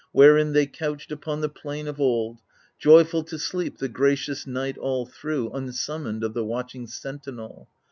Wherein they couched upon the plain of old — Joyful to sleep the gracious night all through, Unsummoned of the watching sentinel.